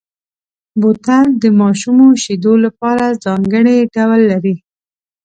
بوتل د ماشومو شیدو لپاره ځانګړی ډول لري.